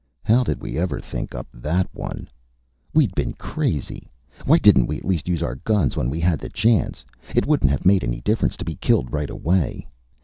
How did we ever think up that one? We'd been crazy. Why didn't we at least use our guns when we'd had the chance? It wouldn't have made any difference to be killed right away.